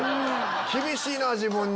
厳しいな自分に。